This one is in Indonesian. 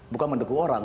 bukan mendukung orang